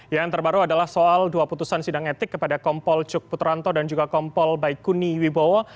yang terbaru adalah soal dua putusan sidang etik kepada kompol cuk putranto dan juga kompol baikuni wibowo